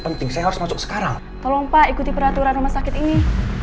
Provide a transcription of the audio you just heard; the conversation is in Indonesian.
penting saya harus masuk sekarang tolong pak ikuti peraturan rumah sakit ini